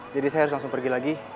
jadi saya harus langsung pergi lagi